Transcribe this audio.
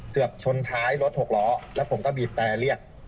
เกือบชนท้ายรถหกล้อแล้วผมก็บีบแต่เรียก